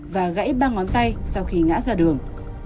và gãy ba ngón tay sau khi ngã ra đường